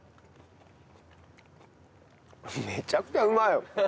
めちゃくちゃうまい！